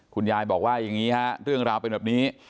คุณยายบอกว่าอย่างนี้ฮะเรื่องราวเป็นแบบนี้